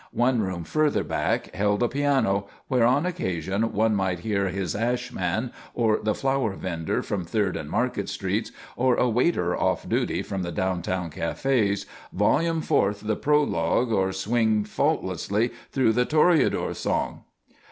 One room further back held a piano, where on occasion one might hear his ash man, or the flower vendor from Third and Market streets, or a waiter off duty from the downtown cafés, volume forth the Prologue or swing faultlessly through the Toreador's song.